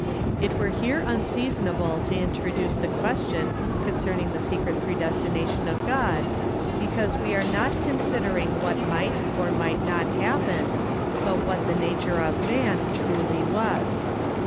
It were here unseasonable to introduce the question concerning the secret predestination of God, because we are not considering what might or might not happen, but what the nature of man truly was.